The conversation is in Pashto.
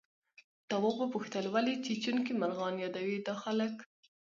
تواب وپوښتل ولې چیچونکي مرغان يادوي دا خلک؟